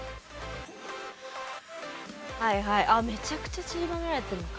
はいはいめちゃくちゃちりばめられてるのか。